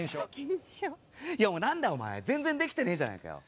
いやもうなんだお前全然できてねえじゃねえかよ。